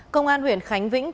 công an huyện khánh vĩnh tỉnh bắc